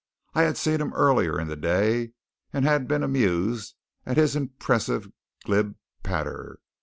I had seen him earlier in the day, and had been amused at his impressive glib patter.